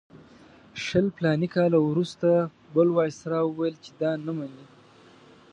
شل فلاني کاله وروسته بل وایسرا وویل چې دا نه مني.